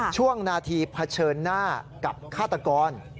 ช่วงนาทีเผชิญหน้ากับฆาตกร